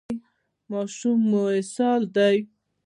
ماشوم مو اسهال دی؟